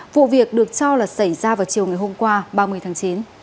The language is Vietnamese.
vụ việc được cho là xảy ra vào chiều ngày hôm qua ba mươi tháng chín